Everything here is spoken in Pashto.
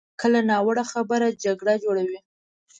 کله ناوړه خبره جګړه جوړوي.